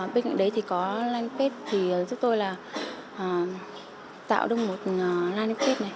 bên cạnh đấy có line of faith giúp tôi tạo được một line of faith